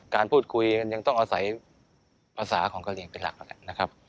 การพูดคุยกันยังต้องเอาใส่ภาษาของกะเลียงเป็นหลักนะครับ